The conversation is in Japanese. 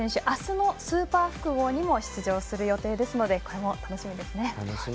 あすのスーパー複合にも出場する予定ですのでこれも楽しみですね。